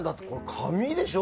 紙でしょ？